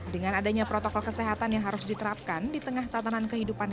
dengan adanya protokol kesehatan yang harus diterapkan